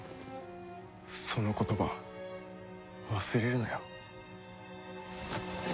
その言葉忘れるなよ。